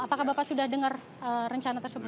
apakah bapak sudah dengar rencana tersebut